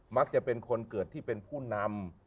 มักจะเป็นคนเกิดที่เป็นผู้นำ